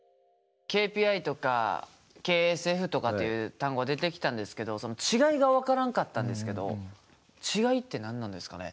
ＫＰＩとかＫＳＦとかっていう単語出てきたんですけどその違いが分からんかったんですけど違いって何なんですかね？